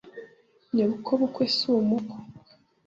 Nyokobukwe si umuko.